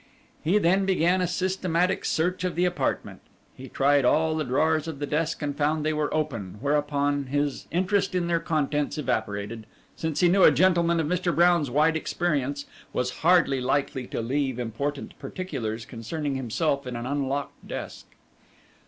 He then began a systematic search of the apartment. He tried all the drawers of the desk and found they were open, whereupon his interest in their contents evaporated, since he knew a gentleman of Mr. Brown's wide experience was hardly likely to leave important particulars concerning himself in an unlocked desk.